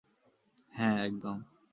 হ্যাঁ, একদম।